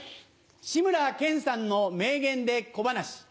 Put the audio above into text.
志村けんさんの名言で小噺。